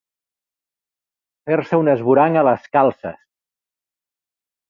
Fer-se un esvoranc a les calces.